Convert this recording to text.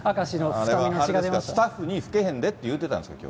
スタッフに吹けへんでって言うてたんでしょ。